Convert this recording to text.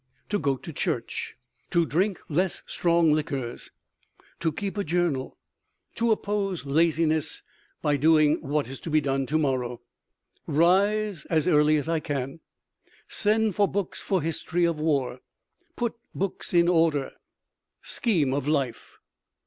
To go to church. To drink less strong liquors. To keep a journal. To oppose laziness by doing what is to be done to morrow. Rise as early as I can. Send for books for history of war. Put books in order. Scheme of life.